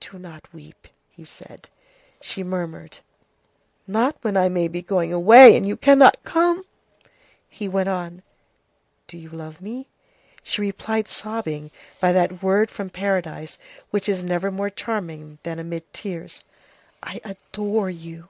"Do not weep," he said. She murmured:— "Not when I may be going away, and you cannot come!" He went on:— "Do you love me?" She replied, sobbing, by that word from paradise which is never more charming than amid tears:— "I adore you!"